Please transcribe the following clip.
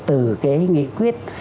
từ cái nghị quyết